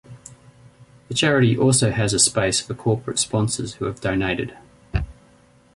The charity also has a space for corporate sponsors who have donated.